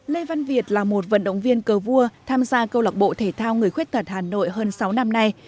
lê văn việt là một vận động viên cờ vua tham gia câu lạc bộ thể thao người khuyết tật hà nội hơn sáu năm nay